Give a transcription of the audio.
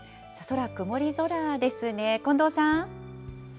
空、曇り空ですね、近藤さん。